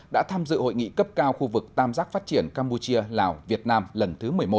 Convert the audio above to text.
đã tham dự hội nghị cấp cao khu vực tam giác phát triển campuchia lào việt nam lần thứ một mươi một